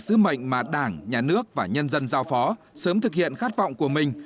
sứ mệnh mà đảng nhà nước và nhân dân giao phó sớm thực hiện khát vọng của mình